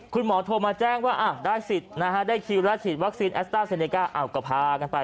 คุณหมอโทรมาแจ้งว่าได้สิทธิ์ได้คิวและฉีดวัคซีนแอสเตอร์เซเนก้าเอากระพากันไป